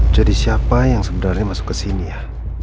jadi siapa yang sebenarnya masuk ke sini ya